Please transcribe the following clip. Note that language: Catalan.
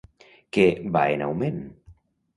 Què va en augment?